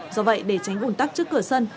do vậy để tránh ủn tắc trước cửa sân